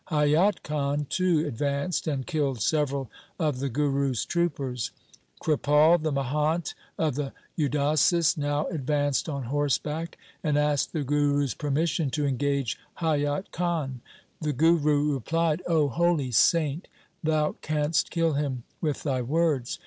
Haiyat Khan too advanced and killed several of the Guru's troopers. Kripal, the mahant of the Udasis, now advanced on horseback, and asked the Guru's permission to engage Haiyat Khan. The Guru replied, ' O holy saint, (hou canst kill him with thy words.